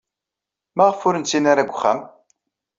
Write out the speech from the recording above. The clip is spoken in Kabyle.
Maɣef ur nsin ara deg uxxam?